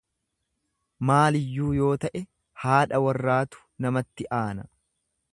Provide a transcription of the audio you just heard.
Maaliyyuu yoo ta'e haadha warraatu namatti aana.